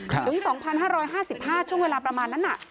ถึง๒๕๕๕ช่วงเวลาประมาณนั้น